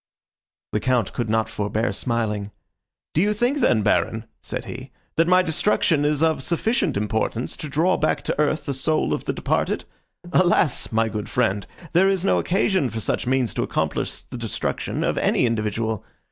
The Count could not forbear smiling; "Do you think then, Baron," said he, "that my destruction is of sufficient importance to draw back to earth the soul of the departed? Alas! my good friend, there is no occasion for such means to accomplish the destruction of any individual.